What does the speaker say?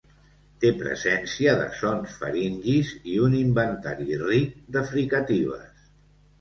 Té presència de sons faringis i un inventari ric de fricatives.